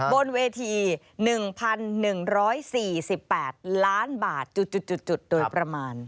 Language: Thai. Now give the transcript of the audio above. บนเวที๑๑๔๘ล้านบาทจุดโดยประมาณ